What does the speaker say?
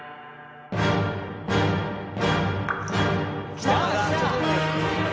来た！